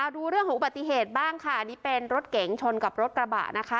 ดูเรื่องของอุบัติเหตุบ้างค่ะนี่เป็นรถเก๋งชนกับรถกระบะนะคะ